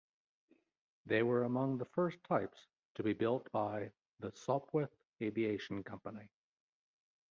They were among the first types to be built by the Sopwith Aviation Company.